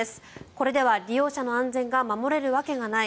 これでは利用者の安全が守られるわけがない。